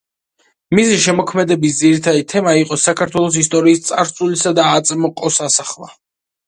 მისი შემოქმედების ძირითადი თემა იყო საქართველოს ისტორიის წარსულისა და აწმყოს ასახვა.